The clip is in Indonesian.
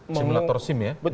simulator sim ya